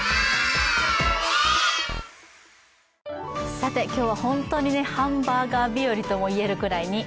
さて、今日は本当にハンバーガー日よりといえるぐらいに。